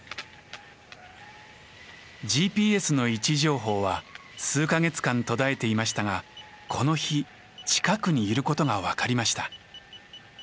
ＧＰＳの位置情報は数か月間途絶えていましたがこの日近くにいることが分かりました。